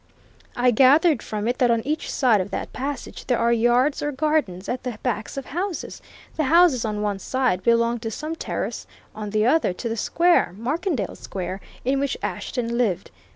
I gathered from it that on each side of that passage there are yards or gardens, at the backs of houses the houses on one side belong to some terrace; on the other to the square Markendale Square in which Ashton lived.